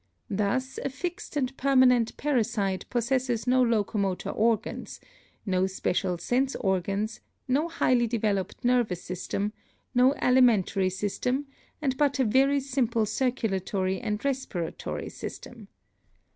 Thus a fixed and permanent parasite possesses no locomotor organs, no spe cial sense organs, no highly developed nervous system, no alimentary system and but a very simple circulatory and respiratory system.